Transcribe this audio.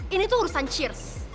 ini tuh urusan cheers